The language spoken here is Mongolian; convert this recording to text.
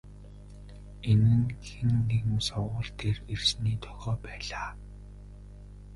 Энэ нь хэн нэгэн сургууль дээр ирсний дохио байлаа.